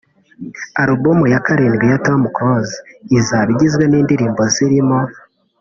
Album ya karindwi ya Tom Close izaba igizwe n’indirimbo zirimo